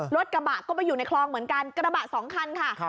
รถกระบะก็ไปอยู่ในคลองเหมือนกันกระบะสองคันค่ะ